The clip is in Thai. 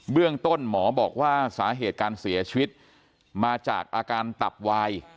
เรื่องต้นหมอบอกว่าสาเหตุการเสียชีวิตมาจากอาการตับวาย